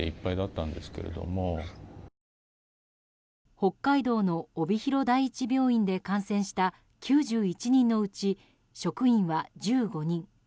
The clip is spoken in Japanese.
北海道の帯広第一病院で感染した９１人のうち、職員は１５人。